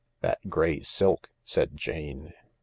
"That grey silk," said Jane.